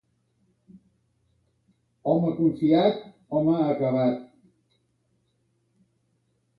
Home confiat, home acabat.